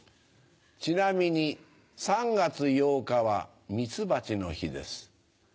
ちなみに３月８日はミツバチの日です。